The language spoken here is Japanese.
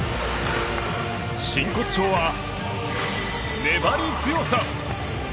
真骨頂は粘り強さ。